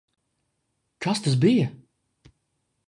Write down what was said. Kas tas bija?